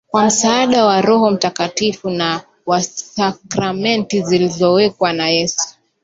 kwa msaada wa Roho Mtakatifu na wa sakramenti zilizowekwa na Yesu